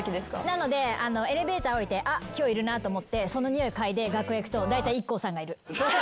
なのでエレベーター降りてあっ今日いるなと思ってその匂い嗅いで楽屋行くとだいたいＩＫＫＯさんがいる。